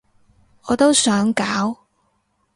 我都想搞